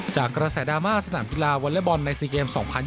กระแสดราม่าสนามกีฬาวอเล็กบอลใน๔เกม๒๐๒๐